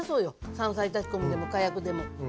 山菜炊き込みでもかやくでも。